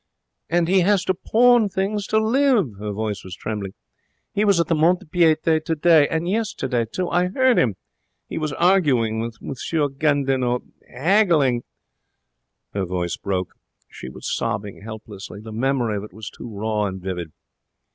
'And he has to pawn things to live!' Her voice trembled. 'He was at the mont de piete today. And yesterday too. I heard him. He was arguing with M. Gandinot haggling ' Her voice broke. She was sobbing helplessly. The memory of it was too raw and vivid.